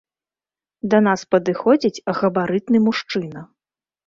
Да нас падыходзіць габарытны мужчына.